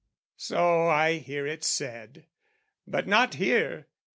So I hear it said: But not here.